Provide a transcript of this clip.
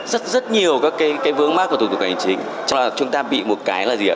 rất rất nhiều các cái vướng mắt của thủ tục hành chính cho chúng ta bị một cái là gì ạ